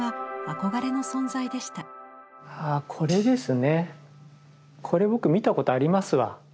これ僕見たことありますわ。